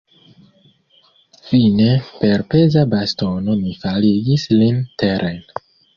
Fine per peza bastono mi faligis lin teren.